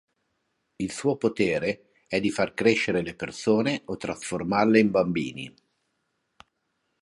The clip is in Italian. Il suo potere è di far crescere le persone o trasformarle in bambini.